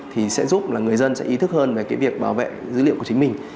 thì sẽ giúp là người dân sẽ ý thức hơn về cái việc bảo vệ dữ liệu của chính mình